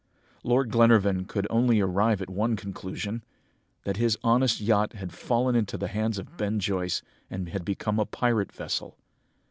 "Lord Glenarvan could only arrive at one conclusion: that his honest yacht had fallen into the hands of Ben Joyce, and had become a pirate vessel!